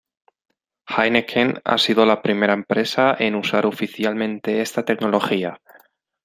Heineken ha sido la primera empresa en usar oficialmente esta tecnología.